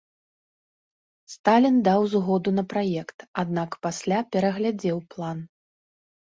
Сталін даў згоду на праект, аднак пасля пераглядзеў план.